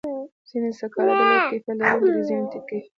ځینې سکاره د لوړ کیفیت لرونکي وي، ځینې ټیټ کیفیت لري.